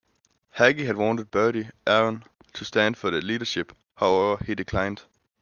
Haughey had wanted Bertie Ahern to stand for the leadership, however, he declined.